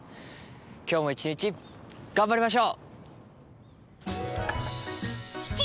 今日も１日頑張りましょう。